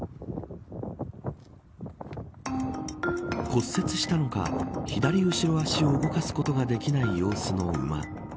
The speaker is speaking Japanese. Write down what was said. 骨折したのか左後ろ足を動かすことができない様子の馬。